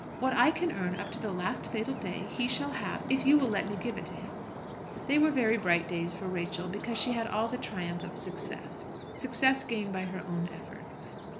What I can earn up to the last fatal day he shall have, if you will let me give it to him." They were very bright days for Rachel, because she had all the triumph of success, success gained by her own efforts.